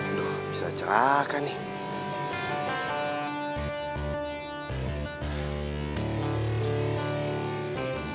aduh bisa ceraka nih